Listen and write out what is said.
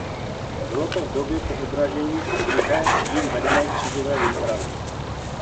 Bylo to v době po odražení i druhé jím vedené křížové výpravy.